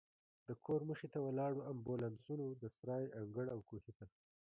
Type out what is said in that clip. د کور مخې ته ولاړو امبولانسونو، د سرای انګړ او کوهي ته.